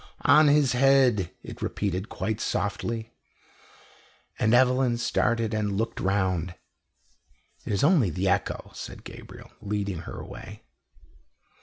"On his head!" it repeated quite softly, and Evelyn started and looked round. "It is only the echo," said Gabriel, leading her away.